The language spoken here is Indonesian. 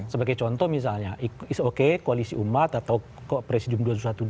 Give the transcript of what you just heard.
sebagai contoh misalnya is okay koalisi umat atau kok presidium dua ratus dua belas